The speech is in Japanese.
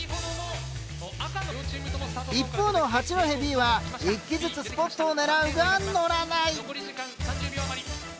一方の八戸Ｂは１機ずつスポットを狙うが乗らない。